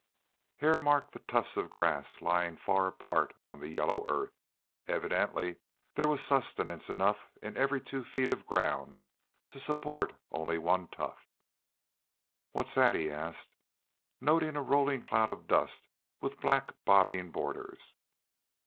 Hare marked the tufts of grass lying far apart on the yellow earth; evidently there was sustenance enough in every two feet of ground to support only one tuft. "What's that?" he asked, noting a rolling cloud of dust with black bobbing borders.